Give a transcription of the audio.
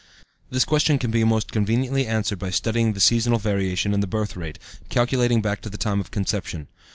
This question can be most conveniently answered by studying the seasonal variation in the birthrate, calculating back to the time of conception.